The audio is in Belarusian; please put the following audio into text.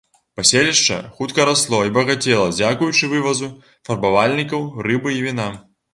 Паселішча хутка расло і багацела дзякуючы вывазу фарбавальнікаў, рыбы і віна.